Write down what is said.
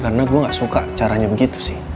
karena gue gak suka caranya begitu sih